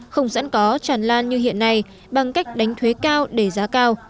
không sẵn có tràn lan như hiện nay bằng cách đánh thuế cao để giá cao